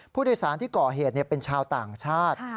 ผู้โดยสารที่ก่อเหตุเป็นชาวต่างชาติ